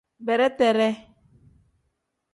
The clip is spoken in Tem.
Bereteree.